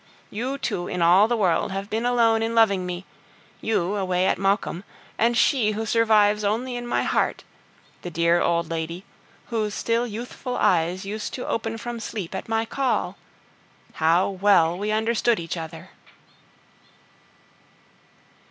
You two in all the world have been alone in loving me you away at Maucombe, and she who survives only in my heart, the dear old lady, whose still youthful eyes used to open from sleep at my call. How well we understood each other!